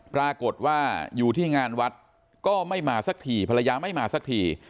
ปรากฏว่าอยู่ที่งานวัดก็ไม่มาสักทีภรรยาไม่มาสักที